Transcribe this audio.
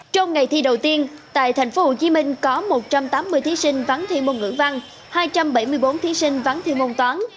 trong ngày thi đầu tiên tại tp hcm có một trăm tám mươi thí sinh vắng thi môn ngữ văn hai trăm bảy mươi bốn thí sinh vắng thi môn toán